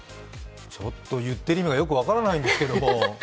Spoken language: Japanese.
ちょっと言っている意味が分からないんですけど。